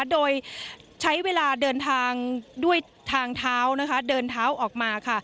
โดยใช้เวลาเดินทางด้วยทางเท้านะคะเดินเท้าออกมาค่ะ